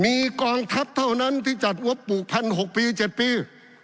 มีกองทัพเท่านั้นที่จัดงบปลูกพัน๖ปี๗ปี